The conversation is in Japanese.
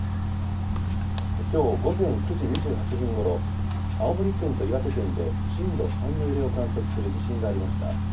きょう午前９時２８分ごろ、青森県と岩手県で震度３の揺れを観測する地震がありました。